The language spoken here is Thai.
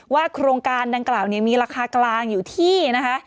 ว่าโครงการดังกล่าวนี้มีราคากลางอยู่ที่